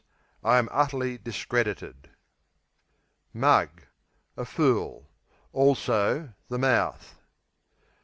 I am utterly discredited. Mug A fool; also the mouth.